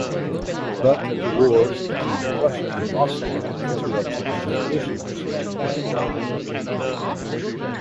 But the wars between Prussia and Austria interrupted his ambitions.